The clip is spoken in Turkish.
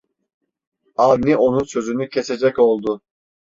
Avni onun sözünü kesecek oldu: